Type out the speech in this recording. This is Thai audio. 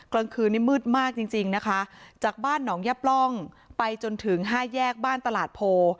กลางคืนนี้มืดมากจริงจริงนะคะจากบ้านหนองยะปล่องไปจนถึงห้าแยกบ้านตลาดโพ